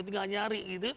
tinggal nyari gitu